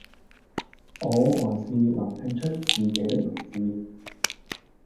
我還是能聽出自己的名字